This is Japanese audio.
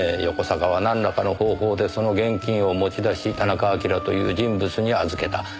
横坂はなんらかの方法でその現金を持ち出し田中晶という人物に預けた。